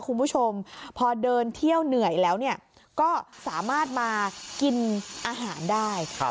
คุณผู้ชมพอเดินเที่ยวเหนื่อยแล้วเนี่ยก็สามารถมากินอาหารได้